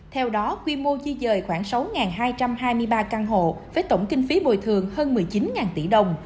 theo đó quy mô di dời khoảng sáu hai trăm hai mươi ba căn hộ với tổng kinh phí bồi thường hơn một mươi chín tỷ đồng